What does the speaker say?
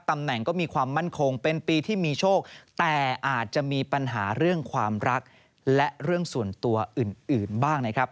ตำแหน่งก็มีความมั่นคงเป็นปีที่มีโชคแต่อาจจะมีปัญหาเรื่องความรักและเรื่องส่วนตัวอื่นบ้างนะครับ